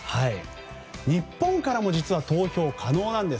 日本からも実は投票可能なんです。